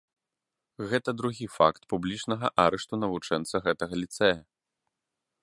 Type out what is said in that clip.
Гэта другі факт публічнага арышту навучэнца гэтага ліцэя.